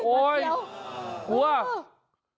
โอ้ยหวัดเจียว